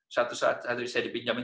satu saat saya dipinjami